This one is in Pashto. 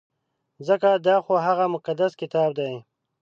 ځکه دا خو هغه مقدس کتاب دی.